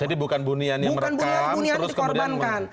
jadi bukan bu niani yang merekam terus kemudian merekam